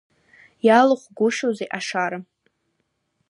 Иалухгәышьозеи ашара…